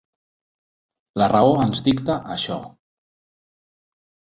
La raó ens dicta això.